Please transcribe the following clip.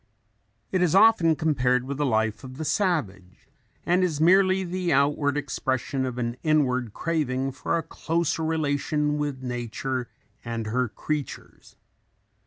It is often compared with the life of the savage and is merely the outward expression of an inward craving for a closer relation with nature and her creatures.